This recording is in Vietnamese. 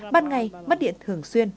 ban ngày mất điện thường xuyên